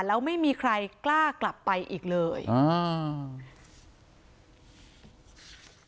แล้วไม่มีใครกล้ากลับไปอีกเลยอ่า